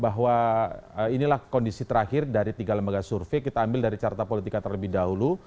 bahwa inilah kondisi terakhir dari tiga lembaga survei kita ambil dari carta politika terlebih dahulu